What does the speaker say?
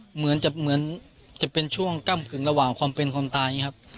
เหมือนจะเหมือนจะเป็นช่วงก้ำกึ่งระหว่างความเป็นความตายอย่างนี้ครับ